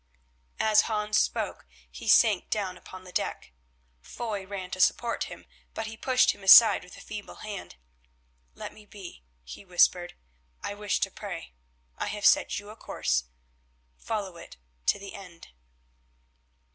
As Hans spoke he sank down upon the deck. Foy ran to support him, but he pushed him aside with a feeble hand. "Let me be," he whispered. "I wish to pray. I have set you a course. Follow it to the end."